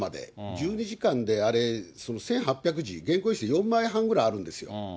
１２時間で、あれ、１８００字、原稿用紙で４枚半ぐらいあるんですよ。